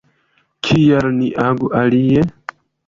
Kial ni agu alie?